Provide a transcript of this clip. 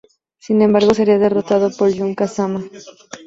Sin embargo, sería derrotado por Jun Kazama.